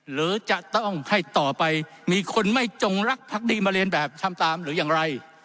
หรือจะต้องให้ต่อไปมีคนไม่จงรักพักดีมาเรียนแบบทำตามหรืออย่างไร